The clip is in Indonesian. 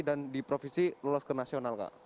dan di provinsi lolos ke nasional kak